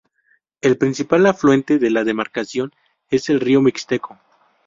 El principal afluente de la demarcación es el río Mixteco.